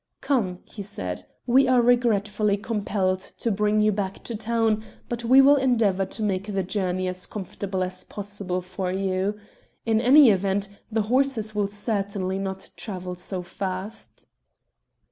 "Come," he said, "we are regretfully compelled to bring you back to town, but we will endeavour to make the journey as comfortable as possible for you. In any event, the horses will certainly not travel so fast."